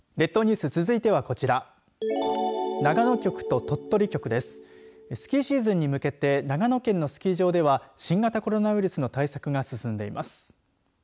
スキーシーズンに向けて長野県のスキー場では新型コロナウイルスの対策が進んでいます。